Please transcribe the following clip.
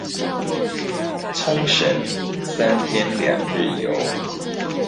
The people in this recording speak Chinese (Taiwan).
沖繩三天兩日遊